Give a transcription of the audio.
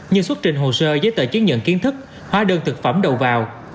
như xuất trình hồ sơ giấy tờ chứng nhận kiến thức hóa đơn thực phẩm đầu vào